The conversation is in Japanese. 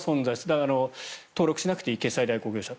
だから、登録しなくていい決済代行業者。